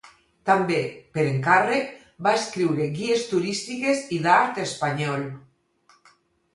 També, per encàrrec, va escriure guies turístiques i d'art espanyol.